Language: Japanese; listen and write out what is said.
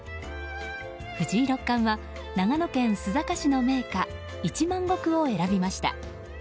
藤井六冠は長野県須坂市の銘菓一万石を選びました。